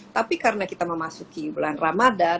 tapi karena kita memasuki bulan ramadan